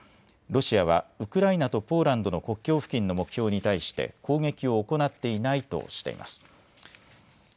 ロシアはウクライナとポーランドの国境付近の目標に対して攻撃を行っていないとしています。